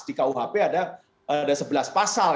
di kuhp ada sebelas pasal